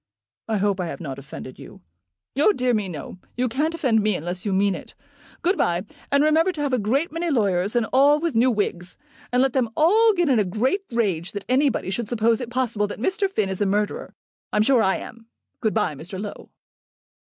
"I hope I have not offended you." "Oh dear, no. You can't offend me unless you mean it. Good bye, and remember to have a great many lawyers, and all with new wigs; and let them all get in a great rage that anybody should suppose it possible that Mr. Finn is a murderer. I'm sure I am. Good bye, Mr. Low."